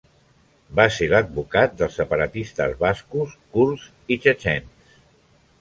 Va ser l'advocat dels separatistes bascos, kurds i txetxens.